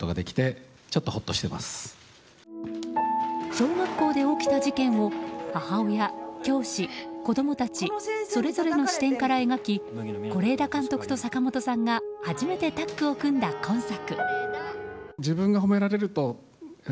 小学校で起きた事件を母親、教師、子供たちそれぞれの視点から描き是枝監督と坂元さんが初めてタッグを組んだ今作。